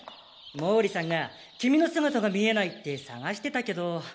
毛利さんが君の姿が見えないって探してたけど。